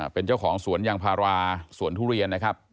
เป็นเจ้าของสวนยางพาราสวนทุเรียนนะครับ